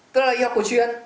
tức là y học của truyền